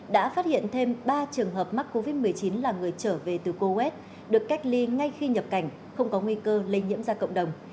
đã phát hiện thêm ba trường hợp mắc covid một mươi chín là người trở về từ coet được cách ly ngay khi nhập cảnh không có nguy cơ lây nhiễm ra cộng đồng